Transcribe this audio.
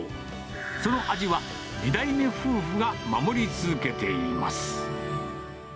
その味は、２代目夫婦が守り続けています。